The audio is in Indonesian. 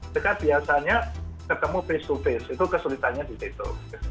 mereka biasanya ketemu face to face itu kesulitannya di situ